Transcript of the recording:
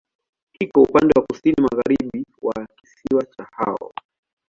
Kiko upande wa kusini-magharibi wa kisiwa cha Hao.